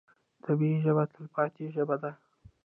طبیعي ژبه تلپاتې ژبه ده.